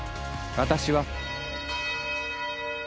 私は。